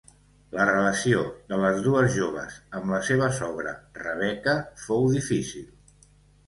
La relació de les dues joves amb la seva sogra Rebeca fou difícil.